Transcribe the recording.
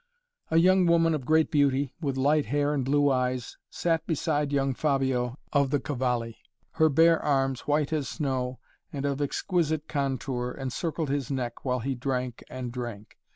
A young woman of great beauty, with light hair and blue eyes, sat beside young Fabio of the Cavalli. Her bare arms, white as snow, and of exquisite contour, encircled his neck, while he drank and drank.